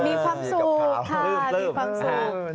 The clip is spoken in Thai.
มีความสุขค่ะมีความสุข